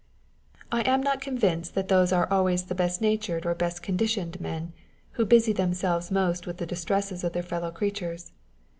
I am not convinced that those are always the best natured or the best conditioned men, who busy themselves most with the distresses of their fellow creatures.